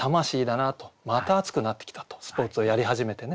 また熱くなってきたとスポーツをやり始めてね。